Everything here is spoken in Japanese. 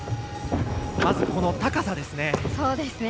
まず、この高さですね。